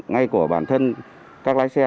ngay của bản thân các lái xe